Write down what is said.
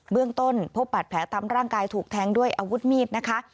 เรื่องต้นพบบัตรแผลตามร่างกายถูกแทงด้วยอาวุธมีดนะคะ